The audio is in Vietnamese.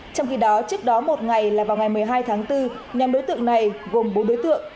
trong khi đó trước đó một ngày là vào ngày một mươi hai tháng bốn nhóm đối tượng này gồm bốn đối tượng